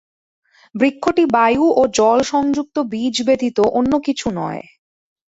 বৃক্ষটি বায়ু ও জল-সংযুক্ত বীজ ব্যতীত অন্য কিছু নয়।